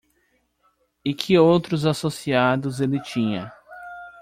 E que outros associados ele tinha?